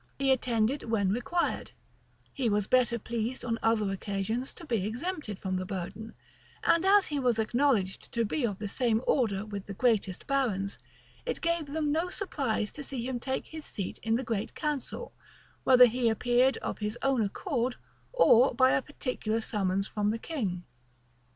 He attended when required: he was better pleased on other occasions to be exempted from the burden: and as he was acknowledged to be of the same order with the greatest barons, it gave them no surprise to see him take his seat in the great council, whether he appeared of his own accord, or by a particular summons from the king.